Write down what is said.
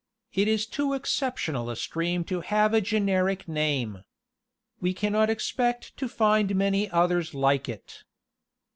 It is too exceptional a stream to have a generic name. We cannot expect to find many others like it.